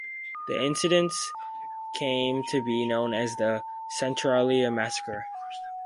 The incident came to be known as the Centralia Massacre.